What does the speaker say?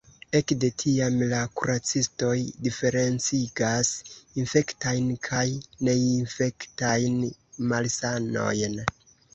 Ekde tiam la kuracistoj diferencigas infektajn kaj neinfektajn malsanojn.